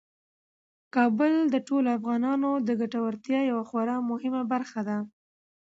کابل د ټولو افغانانو د ګټورتیا یوه خورا مهمه برخه ده.